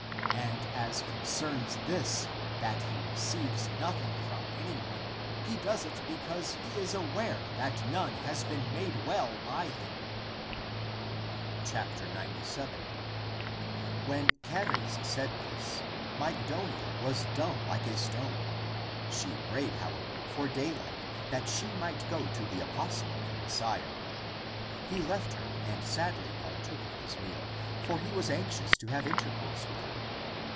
And as concerns this that he receives nothing from anyone he does it be cause he is aware that none has been made well by him." 97. When Charis said this, Mygdonia was dumb like a stone. She prayed, however, for day light, that she might go to the apostle of the Mes siah. He left her and sadly partook of his meal, for he was anxious to have intercourse with her.